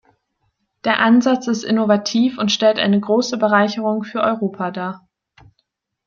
Der Ansatz ist innovativ und stellt eine große Bereicherung für Europa dar.